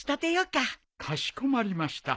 かしこまりました。